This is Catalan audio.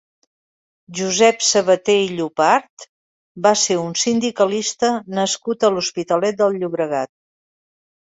Josep Sabaté i Llopart va ser un sindicalista nascut a l'Hospitalet de Llobregat.